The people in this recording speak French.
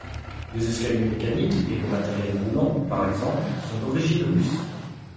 Les escaliers mécaniques et le matériel roulant, par exemple, sont d'origine russe.